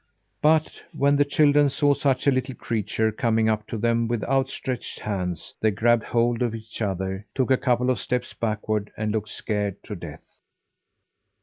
But when the children saw such a little creature coming up to them with outstretched hands, they grabbed hold of each other, took a couple of steps backward, and looked scared to death.